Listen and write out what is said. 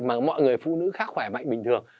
mà mọi người phụ nữ khác khỏe mạnh bình thường